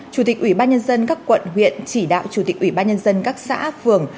chủ tịch ủy ban nhân dân các quận huyện chỉ đạo chủ tịch ủy ban nhân dân các xã phường